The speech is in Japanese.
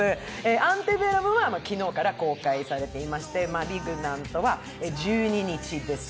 「アンテベラム」は昨日から公開されていまして、「マリグナント」は１２日です。